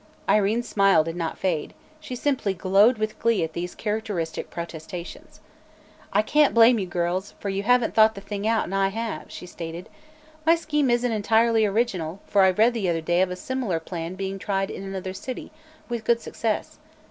Irene's smile did not fade; she simply glowed with glee at these characteristic protestations. "I can't blame you, girls, for you haven't thought the thing out, and I have," she stated. "My scheme isn't entirely original, for I read the other day of a similar plan being tried in another city, with good success.